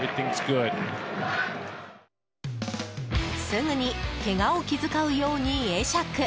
すぐにけがを気遣うように会釈。